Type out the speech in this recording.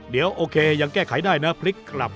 เดี๋ยวโอเคยังแก้ไขได้นะพลิกกลับ